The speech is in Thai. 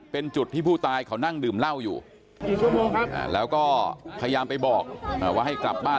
เป็นจุดที่ผู้ตายเขานั่งดื่มเหล้าอยู่แล้วก็พยายามไปบอกว่าให้กลับบ้าน